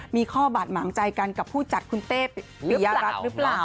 มีข้อบาดหมางใจกันกับผู้จัดคุณเต้ปิยรัฐหรือเปล่า